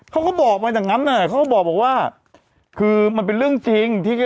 เขาก็บอกมาจากนั้นคือมันเป็นเรื่องจริง